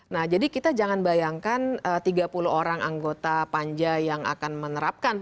nah jadi kita jangan bayangkan tiga puluh orang anggota panja yang akan menerapkan